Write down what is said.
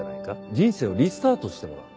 人生をリスタートしてもらう。